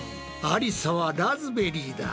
ありさはラズベリーだ。